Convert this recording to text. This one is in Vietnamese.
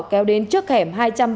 kéo đến trước hẻm hai trăm ba mươi bảy